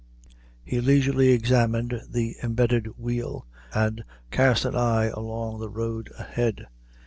He leisurely examined the embedded wheel, and cast an eye along the road ahead.